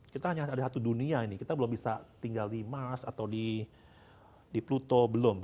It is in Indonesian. kita hanya ada satu dunia ini kita belum bisa tinggal di mass atau di pluto belum